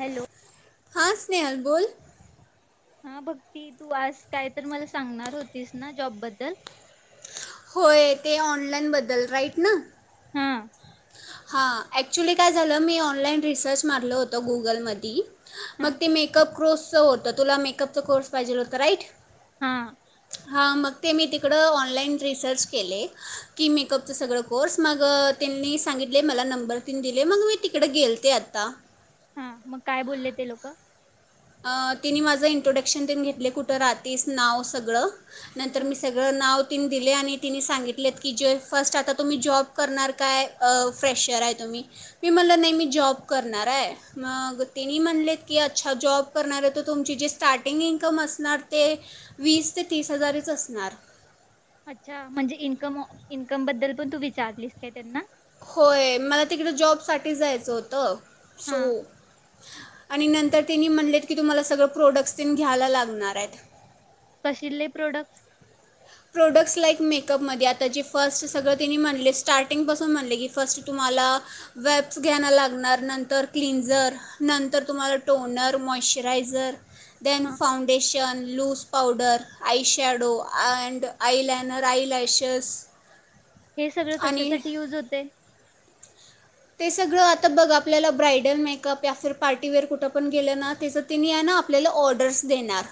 Hello हा स्नेहल बोल हा बक्ती तू आज काय तर मला सांगणार होतीस ना जॉबबद्दल होय ते ऑनलाइन बद्दल राईट ना हा हा ॲक्च्युली काय झालं मी ऑनलाईन रिसर्च मारल होतं गुगलमधी हा मग ते मेकअप क्रोसच होत तुला मेकअपचा कोर्स पाहिजे होता राईट हा हा मग ते मी तिकडं ऑनलाईन रिसर्च केले की मेकअपचं सगळं कोर्स मग त्यांनी सांगितले मला नंबर दिले मग मी तिकडे गेलते आता हा मग काय बोलले ते लोकं अ तिने माझं इंट्रोडक्शन त घेतले कुठं रातीस नाव सगळं नंतर मी सगळं नाव तिने दिले आणि तिने सांगितलेत की जे फर्स्ट आता तुम्ही जॉब करणार काय फ्रेशर आहे तुम्ही मी म्हलं नाही मी जॉब करणार आहे मग तिने म्हणलेत की अच्छा जॉब करणार तर तुमची जे स्टार्टिंग इन्कम असणार ते वीस ते तीस हजारच असणार अच्छा म्हणजे इन्कम इन्कम बद्दल पण तू विचारलीस काय त्यांना होय मला तिकडे जॉब साठी जायचं होतं हा सो आणि नंतर त्यांनी म्हणलेत की तुम्हाला सगळं प्रोडक्ट्स तनी घ्यायला लागणार आहेत कसले प्रोडक्ट प्रोडक्ट्स लाईक मेकअपमध्ये आता जे फर्स्ट सगळं तिने म्हणले स्टार्टिंगपासून म्हणले की फर्स्ट तुम्हाला वेब्स घ्यायं लागणार नंतर क्लिनझर नंतर तुम्हाला टोनर मॉइशचरायझर दन हा foundation loose powder eyeshadow and... eyeliner eyelashes हे सगळं कशासाठी युज होते ते सगळं आता बघ आपल्याला ब्रायडल मेकअप या फिर पार्टीवेअर कुठं पण गेलं ना त्याचं तिने आहे ना आपल्याला ऑर्डर्स देणार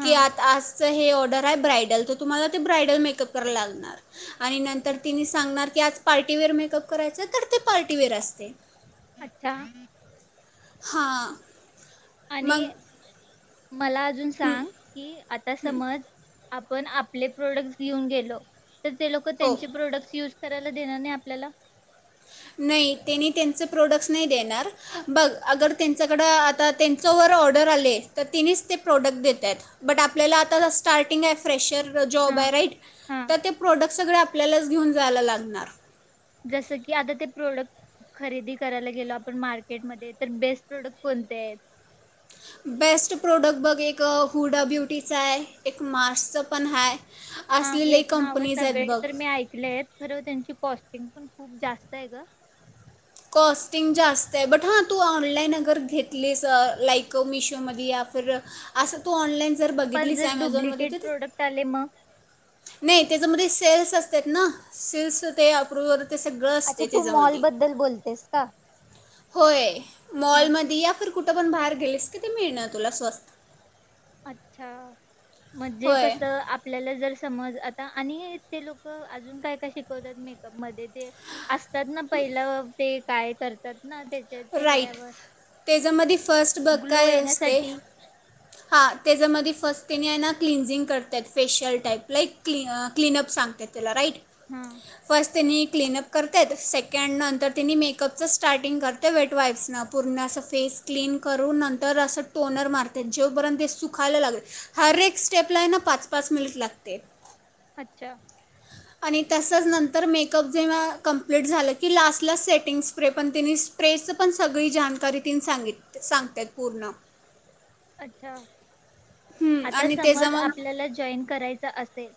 हा की आ आजचं हे ऑर्डर आहे ब्रायडल तर तुम्हाला ते ब्रायडल मेकअप क लागणार आणि नंतर तिने सांगणार की आज पार्टीवेअर मेकअप करायचं तर ते.... पार्टीवेअर असते. अच्छा हां.. मग आणि मला अजून सांग की आ.. तर समाज आपण आपले प्रोडक्ट घेऊन गेलो तर ते लोक हो त्यांचे प्रोडक्टस युज.. करायला देणार नाही आपल्याला नाही त्यांनी त्यांचे प्रोडक्टस नाही देणार बघ अगर त्यांच्याकडं आता त्यांच्यावर ऑर्डर आले तर तेणीच प्रोडक्ट देत आहेत बट आपल्याला आता स्टार्टिंग आहे फ्रेशर... जो हा राईट हा तर ते प्रोडक्ट सगळे आपल्यालाच घेऊन जायला लागणार. जस की आता ते प्रोडक्ट खरेदी करायला गेलो आपण मार्केटमध्ये तर बेस्ट प्रोडक्ट कोणते आहेत? बेस्ट प्रोडक्ट बघ एक हुडा ब्युटीचा आहे एक मार्सचं पण हा आहे. हा असलेले लई हेच नाव कंपनीज आहेत सगळे बघ तर मी ऐकले आहेत खर त्यांची कॉस्ट पण खूप जास्त आहे ग कॉस्टिंग जास्त आहे बट हा तू ऑनलाईन अगर घेतलीस लाईक मिशोमध्ये या असं तू ऑनलाईन जर पण बघितलीस जर ॲमेझॉनमध्ये डुप्लिकेट तर ते प्रोडक्ट आले मग.. नाही त्याच्यामध्ये सेल्स असतात ना सेल्स ते अप्रुव.. अच्छा तू मॉल बद्दल बोलतेस का... होय हा मॉल मध या फर कुठ पण बाहेर गेलीस की ते मिळण तुला स्वस्त.. अच्छा म्हणजे होय कस आपल्याला जर समज आता आणि ते लोक अजून काय काय शिकवतात मेकअप मध्ये ते असतात ना पहिलं ते काय करतात.. ना त्याच्या राईट चेहऱ्यावर त्याच्यामध्ये फस्ट बघ ग्लो काय असते येण्यासाठी हां.. त्याच्यामध्ये फर्स्ट त्यांने आहे ना क्लिन्झिंग करत आहेत फेशियल टाईप लाईक क्लि क्लीनप सांगतात राईट हा फस्ट नीट... क्लिनअप करतेत सेकंड नंतर तिने मेकअपचं स्टार्टिंग करत.. वेट वाईफस पूर्ण अस फेस क्लीन करून नंतर असं टोनर मारते जेपर्यंत सुखायला लागते हर एक स्टेपला ना पाच पाच मिनिट लागते... अच्छा आणि तसंच नंतर मेकअप जेव्हा कम्प्लीट झालं की लास्टला सेटिंग स्प्रे पण तिने स्प्रेचं पण सगळी जाणकारी तिने सांगित सांगतात पूर्ण अच्छा हम्म, आता आणि समज त्याच्यामध्ये आपल्याला जॉईन करायचा असेल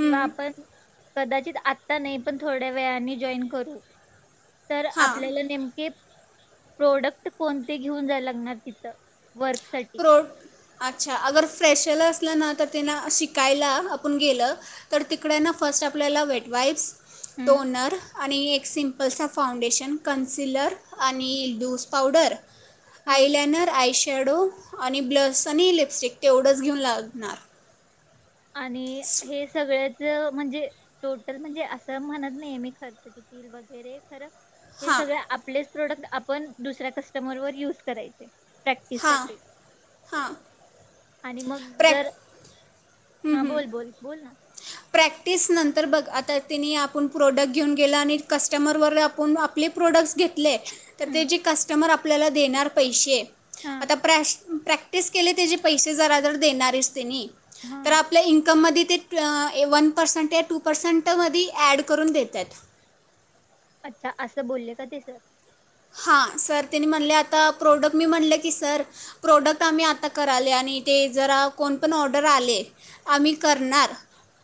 किंवा आपण कदाचित आत्ता नाही पण थोड्या वेळाने जॉईन करू तर हां आपल्याला नेमके प्रोडक्ट कोणते घेऊन जा लागणार तिथं वर्कसाठी प्रो अच्छा अगर फ्रेशरला असलं ना तर ते ना शिकायला आपण गेलं तर तिकडे ना फर्स्ट आपल्याला वेट वाईप्स हम्म टोनर आणि एक सिम्पल्चा फाउंडेशन कन्सिलर आणि इल्डूस पावडर हम्म आईल्यान आयष एडु आणि ब्लस आणि लिपस्टिक ते एवढंच घेऊन लागणार आणि हे सगळ म्हणजे टोटल म्हणजे असं म्हणत नाही मी खर्च कितील वगैरे खरं हे हां सगळ आपलेच प्रोडक्ट आपण दुसऱ्या कस्टमर वर युज करायचे प्रॅक्टिस हां साठी हां आणि मग प्रॅक जर हं, हा हं. बोल, बोल, बोल ना प्रॅक्टिस नंतर बघ आता तिने आपण प्रोडक्ट घेऊन गेलं आणि कस्टमरवर आपण आपले प्रोडक्ट्स घेत ले तर ते हम्म जे कस्टमर आपले आपल्याला देणार पैसे हा आता प्रॅश प्रॅक्टिस केले त्याचे पैसे जरा जर देणारच तेनी हा तर आपल्या इन्कममध्ये ते ट वन पर्सेंट या टू पर्सेंटमध्ये ॲड करून देत्यात अच्छा असं बोलले का ते सर हां सर तने म्हणले आता प्रोडक्ट मी म्हणलं की सर प्रोडक्ट आम्ही आता कराले आणि ते जरा कोण पण ऑर्डर आले आम्ही करणार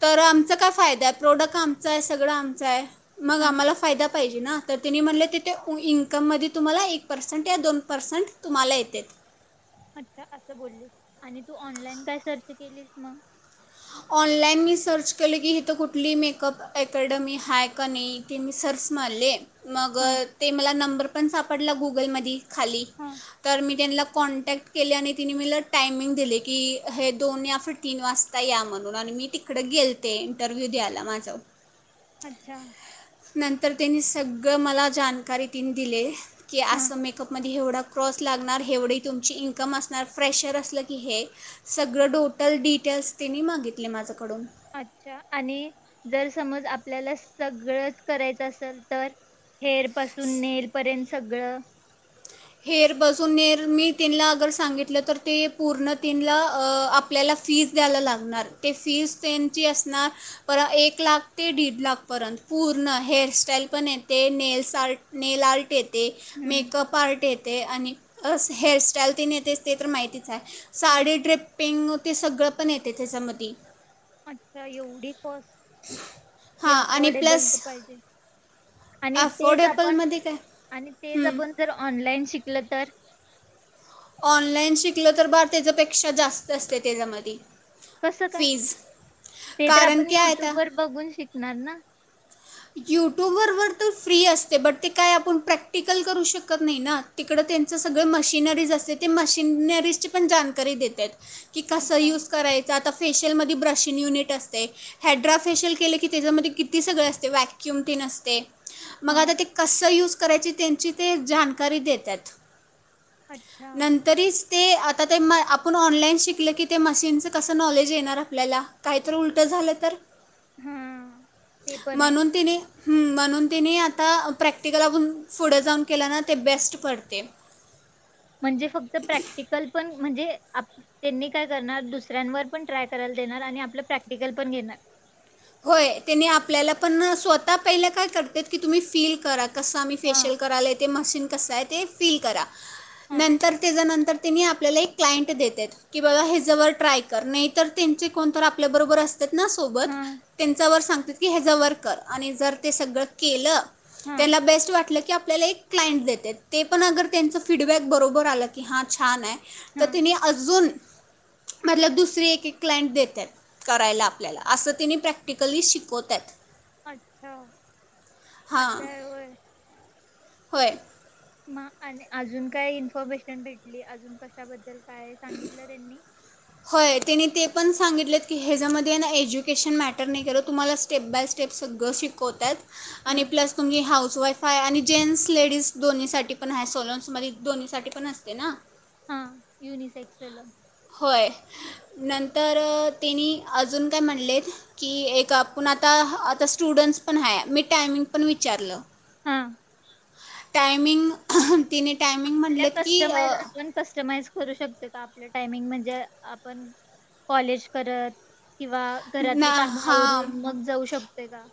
तर आमचा काय फायदा आहे प्रोडक्ट आमचा आहे सगळं आमचं आहे मग हां. आम्हाला फायदा पाहिजे ना तर त्यनी हां. म्हणालेत ते इकम मध्ये तुम्हाला एक पर्सेंट या दोन पर्सेंट तुम्हाला येतेत अछ असं बोलले आणि तू ऑनलाईन काय सर्च केलीस मग ऑनलाइन मी सर्च केलं की इथं कुठली मेकअप अकॅडमी हाय का नाही ते मी सर्च मारले मग हां. ते मला नंबर पण सापडला गुगलमध्ये खाली हां. तर मी त्यांना कॉन्टॅक्ट केले आणि तिने मला टायमिंग दिले की हे दोन या फिर तीन वाजता या म्हणून आणि मी तिकड गेलते इंटरव्ह्यू द्यायला माझं अच्छा. नंतर त्यांनी सगळं मला जानकारी तिने दिले. की हां. असं मेकअपमध्ये एवढं क्रॉस लागणार, हेवढी तुमची इन्कम असणार, फ्रेशर असलं की हे, सगळं टोटल डिटेल्स तिने मागितले माझं. अच्छा आणि जर समज, आपल्याला सगळंच करायचं असेल तर, हेअर पासून नेलपर्यंत सगळं. हेअर बजून नेर मी तिन ला अगर सांगितलं तर ते पूर्ण तीन ला अ आपल्याला फीज द्यायला लागणार. ते फीज त्यांची असणार पर एक लाख ते दीड लाखपर्यंत. पूर्ण हेअरस्टाईल पण येते, नेलस आर्ट, नेल आर्ट येते, हम्म. मेकअप आर्ट - येते आणि हस हेअरस्टाईल तिने येते ते तर माहितीच आहे, हां. साडी ड्रिप्पिंग ते सगळं पण येते त्याच्यामध्ये. अच्छा एवढी! प्लस ती हां आणि अफोर्डेबल तर प्लस पाहिजे. आणि तेच आपण, अफोर्डेबलमध्ये आणि तेच काय आपण जर ऑनलाइन शिक लं तर ऑनलाइन शिकलं तर बार तेझ्यापेक्षा जास्त असते तेच्यामध्ये. कस काय? ते तर कारण आपण की आहे त्या युट्यूब वर बघून शिकणार ना? युट्यूब वर तर फ्री असते बट ते काय आपण प्रॅक्टिकल करू शकत नाही ना, तिकडं त्यांचं सगळं मशिनरीज असते ते मशिन-रीजची पण जाणकारी देत्यात. की कसं अच्छा. यूज करायचा. आता फेशियल मध्ये ब्रशिंग युनिट असते, हायड्रा फेशियल केले की तेझ्यामध्ये किती सगळं असते ते व्याक्युम टिन असते मग आता हां. ते कसं यूज करायचे त्यांची ते जानकारी देतात. अच्छा. नंतरीस ते आता ते म आपण ऑनलाईन शिकलं की ते मशीनचं कसं नॉलेज येणार? आपल्याला. काहीतरी उलटं झालं तर? हूं. म्हणून तिने हम्म म्हणून तिने आता प्रॅक्टिकलातून पुढे जाऊन केलं ना, ते बेस्ट पडते. म्हणजे फक्त प्रॅक्टिकल पण म्हणजे आ - त्यांनी काय करणार, दुसऱ्यांवर पण ट्राय करायला देणार आणि आपल प्रॅक्टिकल पण घेणार. होय. त्यांनी आपल्याला पण न, स्वतः पहिल काय करत्यात, की तुम्ही फील करा. कसं आम्ही हा फेशियल करायला ते मशीन कसं आहे? ते फील करा हा नंतर तेज्या नंतर तेनी आपल्याला एक क्लाइंट देत्यात. की बाबा हेजावर ट्राय कर. नाही तर त्यांचे कोणतर आपल्याबरोबर अस तात ना हा सोबत [unintelligible] सांगतात की हेजावर कर आणि जर ते सगळं केलं हा त्याला बेस्ट वाटलं की आप आपल्याला एक क्लाइंट देतात. ते पण अगर त्यांचं फीडबॅक बरोबर आलं की हां छान आहे. तर हा तेनी अजून मतलब दुसरी एक -एक क्लांइंट देतात करायला आपल्याला अस तिनी प्र प्रॅक्टिकली शिकवत्यात. अच्छा, हां असं आहे होय. होय आणि अजून काय इन्फॉर्मेशन भेटली? अजून कशाबद्ल होय तेनी तेपण सांगितल म्हटल्यात की ह्याच्यामध्ये ना एज्युकेशन मॅटर नाही करत, तुम्हाला स्टेप बाय स्टेप सगळं शिकवत्यात. आणि हम्म प्लस तुमची हाऊस वाईफ हाय आणि जेंट्स लेडीज दोन्हीसाठी पण आहे सलोन्स मध्ये दोन्हीसाठी पण असते ना. हा युनिसेेक्सल. होय नंतर त्यांनी अजून काय म्हणलेत की एक आपण आता आता स्टुडंट्स पण आहे मी टायमिंग पण विचारलं हा. टामिंग तिनी आपल्या कस्टमाइ आपण कस्टमाइज करू शकत का आपलं टाइमिंग म्हणजे आपण कॉलेज करत किंवा घरातली ना हां कामवरून मग जाऊ शकतो का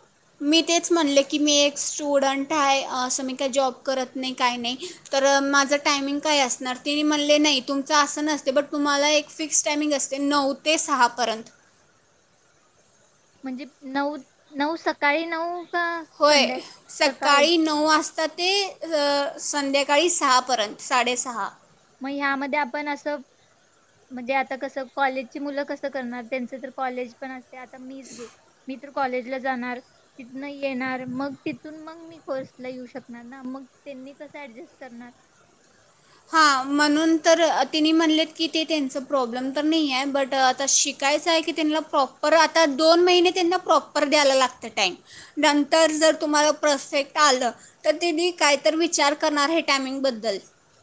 मी तेच म्हणले की मी एक स्टुडंट आहे. असं मी काय जॉब करत नाही. काय नाही, तर माझं टायमिंग काय असणार तिने म्हणले नाही तुमचं असं नसते. बट तुम्हाला एक फिक्स टायमिंग असते नऊ ते सहापर्यंत. म्हणजे नऊ नऊ सकाळी नऊ का होय संध्या सकाळी नऊ वाजताात. ते संध्याकाळी सहापर्यंत साडेसहा. मग ह्यामध्ये आपण असं म्हणजे आता कसं कॉलेजची मुलं कसं करणार? त्यांच तर कॉलेज पण असते आता मीच घे मी तर कॉलेजला जाणार तिथन येणार मग तिथून मग मी कोर्स ला येऊ शकणार ना मग त्यांनी कस ऍडजस्ट करणार? हा म्हणून तर तिनी म्हणलेत की ते त्यांच प्रॉब्लेम तर नाही आहे, बट आता शिकायचं आहे की त्यांला प्रॉपर आता दोन महिने त्यांना प्रॉपर द्यायला लागत टाइम. नंतर जर तुम्हाला परफेक्ट आलं तर तेन्ही कायत विचार करणार हे टायमिंग बद्दल.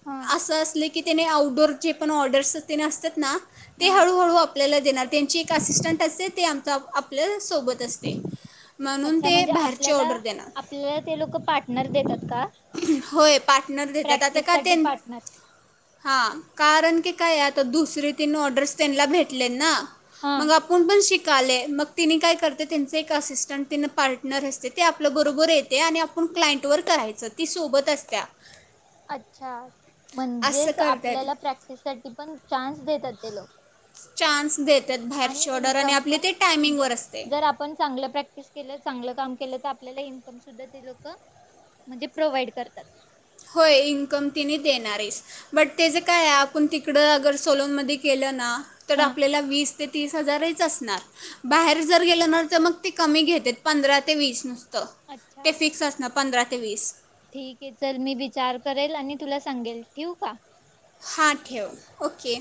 हा असं असले की त्याने आउटडोअर जे पण ऑर्डर्सने असतात ना ते हा हळूहळू आपल्याला देणार त्यांची एक असिस्टंट असते ते आमच आपल्या सोबत असते. म्हणून अच्छा ते म्हणजे बाहेरचे आपल्याला ऑर्डर देणार. आपल्याला ते लोक पार्टनर देतात का होय पार्टनर देतात आता प्रॅक्टिस का ते साठी पार्टनर हा कारण की काय आता दुसर तीन ऑर्डर्स त्यांना भेटले ना हा मग आपण पण शिक मग ति काय कर त्यां असिस्टं पार्टनर असते ते आपल्या बरोबर येते आणि आपण क्लांट व करायच ती सोबत असत्या. अच्छा. असं म्हणजेच करतात आपल्याला प्रॅक्टिस साठी पण चान्स देतात ते लोक. चान्स देत. आणि इकम पण म्हणजे असते जर आपण चांगलं प्रॅक्टिस केलं च काम तर आपल्या इन्कम सुधा ते लोक म्हणजे प्रोवइड करतात. होय इन्कम तिने देणार आहेस बट त्याचं काय आहे आपण तिकडं अगर सोलोनमध्ये गेलं ना तर हा आपल्याला वीस ते तीस हजारहीच असणार बाहेर जर गेलं ना तर मग ते कमी घेतेत पंधरा ते वीस नुस अच्छा टेफिक्स असणार पंधरा ते वीस. ठीक आहे चल मी विचार करेल आणि तुला सांगेल ठेवू का? हा ठेव. ओके.